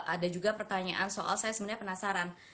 ada juga pertanyaan soal saya sebenarnya penasaran